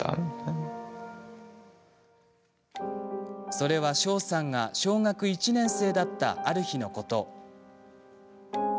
それは、翔さんが小学１年生だったある日のこと。